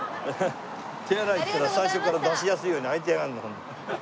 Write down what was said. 手洗い行ったら最初から出しやすいように開いてやがんの。